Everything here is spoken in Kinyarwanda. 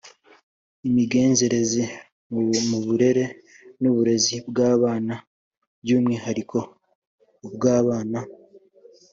imigenzereze mu burere n’uburezi bw’abantu by’umwihariko ubw’abana